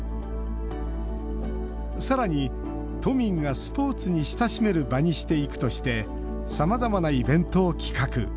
さらに「都民がスポーツに親しめる場にしていく」としてさまざまなイベントを企画。